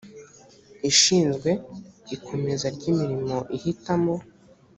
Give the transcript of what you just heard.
ishinzwe ikomeza ry imirimo ihitamo